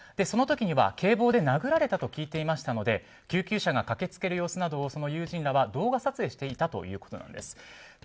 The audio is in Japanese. その時には警棒で殴られたと聞いていましたので救急車が駆けつける様子などをその友人らは動画撮影していたということなんです。